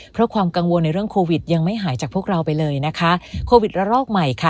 เพราะความกังวลในเรื่องโควิดยังไม่หายจากพวกเราไปเลยนะคะโควิดระลอกใหม่ค่ะ